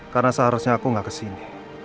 karena seharusnya aku gak kesini